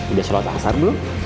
udah selesai selesai belum